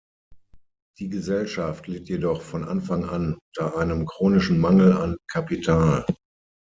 Die Gesellschaft litt jedoch von Anfang an unter einem chronischen Mangel an Kapital.